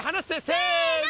せの！